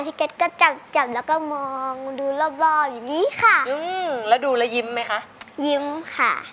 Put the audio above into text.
พี่กัสก็จับแล้วก็มองดูระบอมอย่างนี้ค่ะแล้วดูแล้วยิ้มไหมคะยิ้มค่ะ